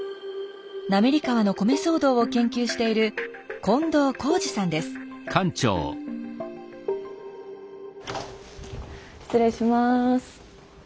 滑川の米騒動を研究している失礼します。